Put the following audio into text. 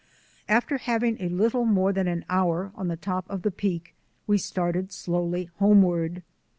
After having a little more than an hour on the top of the Peak we started slowly homeward.